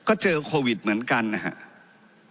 ก็เจอโควิดเหมือนกันนะครับ